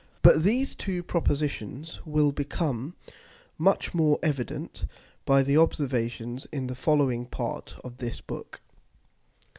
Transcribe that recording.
But these two Propositions will become much more evident by the Observations in the following part of this Book.